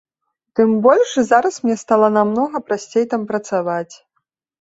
Тым больш, зараз мне стала намнога прасцей там працаваць.